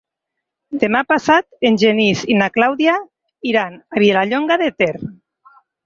Demà passat en Genís i na Clàudia iran a Vilallonga de Ter.